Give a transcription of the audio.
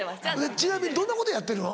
ちなみにどんなことやってるの？